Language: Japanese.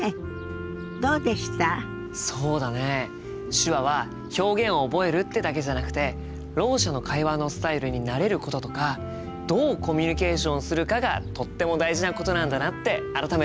手話は表現を覚えるってだけじゃなくてろう者の会話のスタイルに慣れることとかどうコミュニケーションするかがとっても大事なことなんだなって改めて思ったよ。